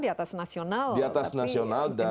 di atas nasional di atas nasional dan